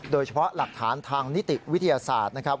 โดยเฉพาะหลักฐานทางนิติวิทยาศาสตร์นะครับ